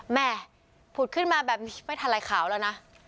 แม่ผุดขึ้นมาแบบนี้ไม่ทันไรขาวแล้วนะ